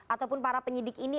ataupun para penyidik ini